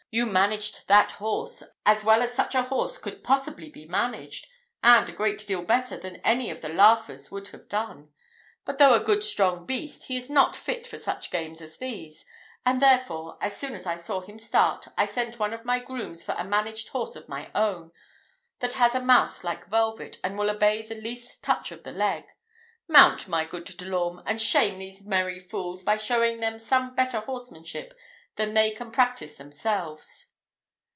You managed that horse as well as such a horse could possibly be managed; and a great deal better than any of the laughers would have done: but, though a good strong beast, he is not fit for such games as these; and, therefore, as soon as I saw him start, I sent one of my grooms for a managed horse of my own, that has a mouth like velvet, and will obey the least touch of the leg. Mount, my good De l'Orme, and shame these merry fools, by showing them some better horsemanship than they can practise themselves."